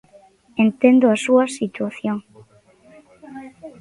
Entendo a súa situación.